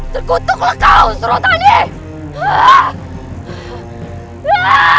terkutuk lekaus rotani